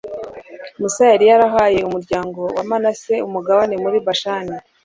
musa yari yarahaye umuryango wa manase umugabane muri bashani